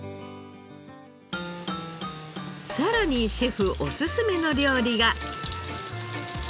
さらにシェフおすすめの料理が。